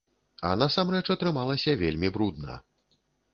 А насамрэч атрымалася вельмі брудна.